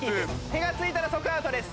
手がついたら即アウトです。